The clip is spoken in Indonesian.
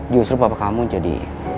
justru papa kamu jadi